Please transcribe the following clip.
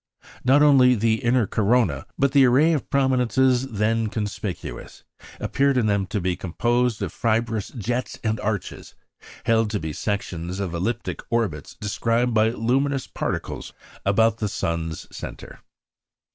Not only the inner corona, but the array of prominences then conspicuous, appeared in them to be composed of fibrous jets and arches, held to be sections of elliptic orbits described by luminous particles about the sun's centre.